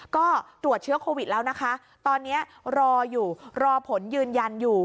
ก็ตรวจเชื้อโควิดแล้วนะคะตอนนี้รออยู่รอผลยืนยันอยู่